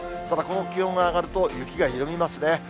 ただ、この気温が上がると、雪が緩みますね。